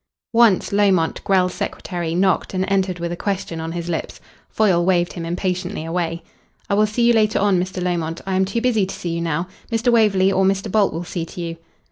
Once Lomont, Grell's secretary, knocked and entered with a question on his lips. Foyle waved him impatiently away. "I will see you later on, Mr. Lomont. I am too busy to see you now. Mr. Waverley or Mr. Bolt will see to you."